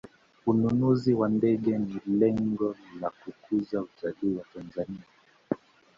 ununuzi wa ndege ni lengo la kukuza utalii wa tanzania